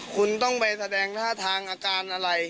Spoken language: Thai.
คุณต้องไปแสดงท่าทางอาการอะไร